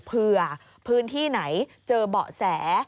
เผื่อพื้นที่ไหนเจอเบาะแส